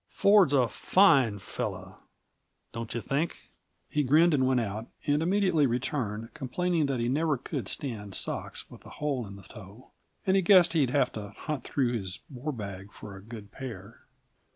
Ford's a fine fellow, don't you think?" He grinned and went out, and immediately returned, complaining that he never could stand socks with a hole in the toe, and he guessed he'd have to hunt through his war bag for a good pair.